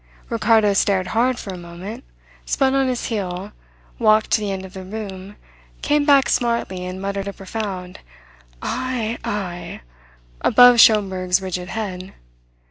Ricardo stared hard for a moment, spun on his heel, walked to the end of the room, came back smartly, and muttered a profound "Ay! Ay!" above Schomberg's rigid head.